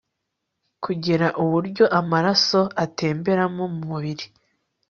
kongera uburyo amaraso atemberamo mu mubiri